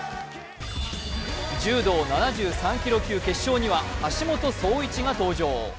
柔道７３キロ級決勝には橋本壮市が登場。